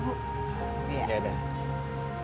bentar ya bu